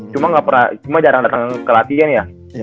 cuma jarang dateng ke latihan ya